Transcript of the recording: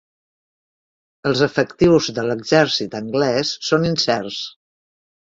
Els efectius de l'exèrcit anglès són incerts.